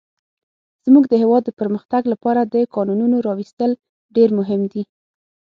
زموږ د هيواد د پرمختګ لپاره د کانونو راويستل ډير مهم دي.